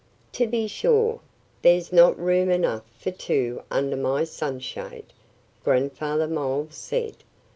"To be sure, there's not room enough for two under my sunshade," Grandfather Mole said.